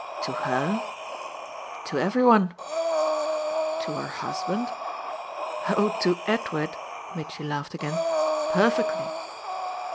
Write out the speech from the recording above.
"To HER?" "To every one." "To her husband?" "Oh to Edward," Mitchy laughed again, "perfectly!"